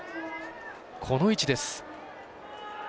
この位置です。